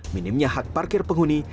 minimnya hak parkir penghuni